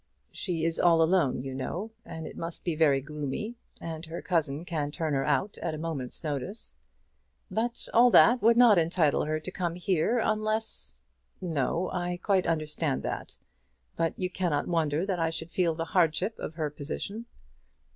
"She is all alone, you know; and it must be very gloomy; and her cousin can turn her out at a moment's notice." "But all that would not entitle her to come here, unless " "No; I quite understand that. But you cannot wonder that I should feel the hardship of her position."